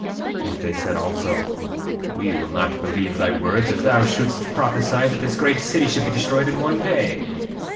9:4 And they said also: We will not believe thy words if thou shouldst prophesy that this great city should be destroyed in one day.